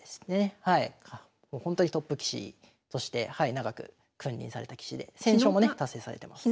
ほんとにトップ棋士として長く君臨された棋士で１，０００勝もね達成されてます。